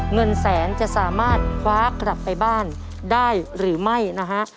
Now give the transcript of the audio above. เงินแสนจะสามารถคว้ากลับไปบ้านได้หรือไม่นะฮะ